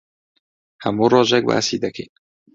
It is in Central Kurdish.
هەموو ڕۆژێک باسی دەکەین.